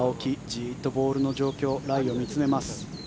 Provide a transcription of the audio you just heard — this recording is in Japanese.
じっとボールの状況ライを見つめます。